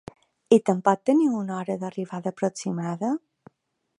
I tampoc teniu una hora d'arribada aproximada?